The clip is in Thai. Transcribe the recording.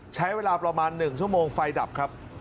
ใช้เวลาประมาณ๑ชั่วโมงไฟดับครับ